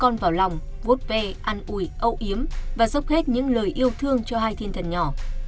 con vào lòng vút ve ăn ủi âu yếm và dốc hết những lời yêu thương cho hai thiên thần nhỏ